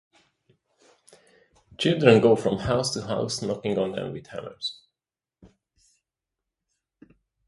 Children go from house to house, knocking on them with hammers.